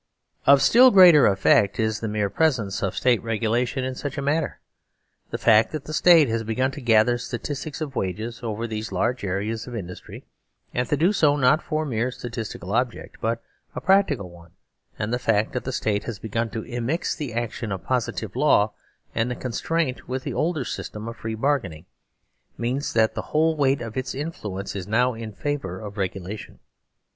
Of still greater effect is the mere presence of State regulation in such a matter. The fact that the State 171 THE SERVILE STATE has begun to gather statistics of wages over these large areas of industry, and to do so not for a mere statistical object, but a practical one, and the fact that the State has begun to immix the action of positive law and constraint with the older system of free bargaining, mean that the whole weight of its influence is now in favour of regulation.